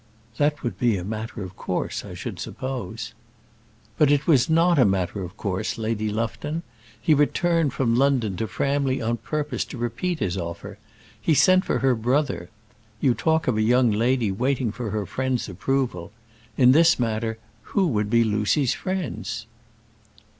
"That would be a matter of course, I should suppose." "But it was not a matter of course, Lady Lufton. He returned from London to Framley on purpose to repeat his offer. He sent for her brother You talk of a young lady waiting for her friends' approval. In this matter who would be Lucy's friends?"